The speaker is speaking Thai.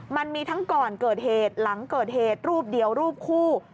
มันมีทั้งก่อนเกิดเหตุหลังเกิดเหตุรูปเดียวรูปคู่